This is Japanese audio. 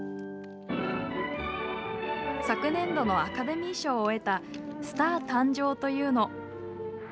昨年度のアカデミ賞を得た、「スタア誕生」といふの。